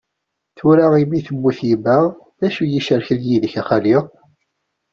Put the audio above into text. Tura mi temmut yemma, d acu i yi-icerken yid-k, a xali?